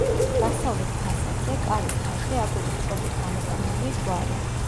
დასავლეთ ფასადზე, კარის თავზე აგურის წყობით გამოყვანილია ჯვარი.